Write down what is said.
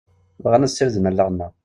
Bɣan ad sirden allaɣ-nneɣ.